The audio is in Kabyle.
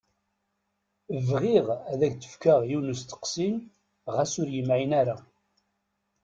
Bɣiɣ ad ak-d-fkeɣ yiwen n usteqsi ɣas ur yemɛin ara.